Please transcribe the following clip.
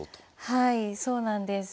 はいそうなんです。